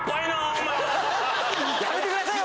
やめてくださいよ